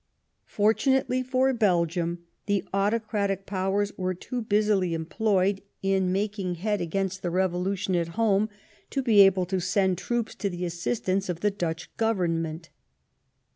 Fortunately for Belgium, the autocratic Powers were too busily employed in making head against the Revolu tion at home to be able to send troops to the assistance of the Dutch Govemmient.